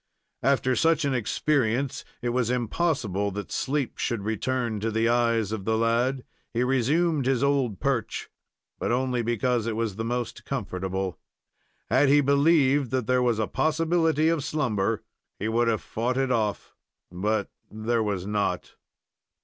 After such an experience, it was impossible that sleep should return to the eyes of the lad. He resumed his old perch, but only because it was the most comfortable. Had he believed that there was a possibility of slumber, he would have fought it off, but there was not.